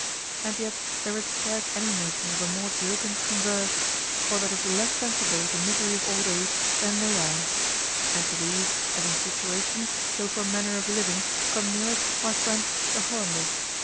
And yet there is scarce any nation of a more jocund converse, or that is less sensible of the misery of old age, than they are. And to these, as in situation, so for manner of living, come nearest my friends the Hollanders.